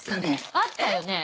あったよね！